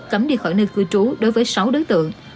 cấm đi khỏi nơi cư trú đối với sáu đối tượng